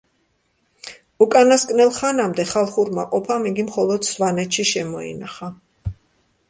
უკანასკნელ ხანამდე ხალხურმა ყოფამ იგი მხოლოდ სვანეთში შემოინახა.